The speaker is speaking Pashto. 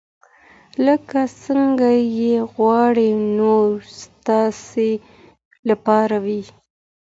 لکه څنګه چې غواړئ نور ستاسې لپاره وي.